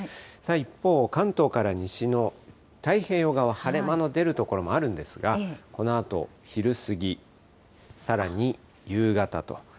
一方、関東から西の太平洋側、晴れ間の出る所もあるんですが、このあと昼過ぎ、さらに夕方と。